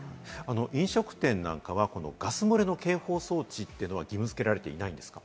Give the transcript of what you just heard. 飲食店なんかはガス漏れの警報装置というのは義務付けられていないんですか？